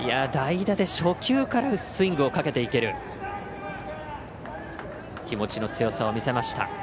代打で初球からスイングをかけていける気持ちの強さを見せました。